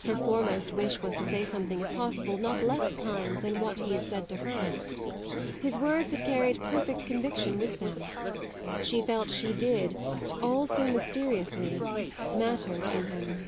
Her foremost wish was to say something if possible not less kind than what he had said to her. His words had carried perfect conviction with them; she felt she did, all so mysteriously, matter to him.